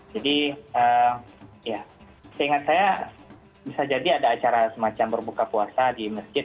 jadi ya seingat saya bisa jadi ada acara semacam berbuka puasa di masjid